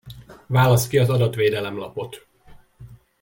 Válaszd ki az Adatvédelem lapot!